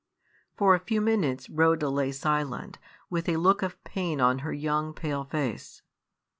For a few minutes Rhoda lay silent, with a look of pain on her young, pale face.